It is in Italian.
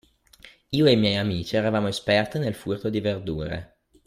Io e i miei amici eravamo esperti nel furto di verdure.